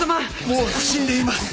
もう死んでいます。